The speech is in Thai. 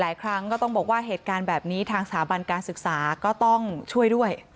ครั้งก็ต้องบอกว่าเหตุการณ์แบบนี้ทางสถาบันการศึกษาก็ต้องช่วยด้วย